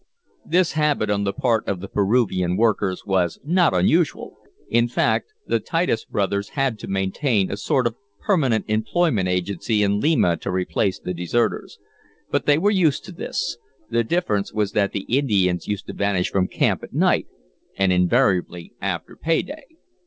This habit on the part of the Peruvian workers was not unusual. In fact, the Titus brothers had to maintain a sort of permanent employment agency in Lima to replace the deserters. But they were used to this. The difference was that the Indians used to vanish from camp at night, and invariably after pay day.